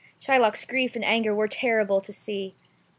Shylock's grief and anger were terrible to see.